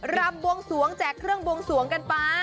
รำบวงสวงแจกเครื่องบวงสวงกันไป